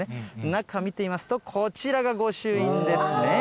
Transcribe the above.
中見てみますと、こちらが御朱印ですね。